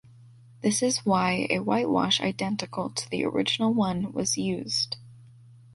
This is why a whitewash identical to the original one was used.